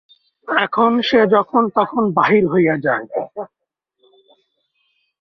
এখন সে যখন-তখন বাহির হইয়া যায়।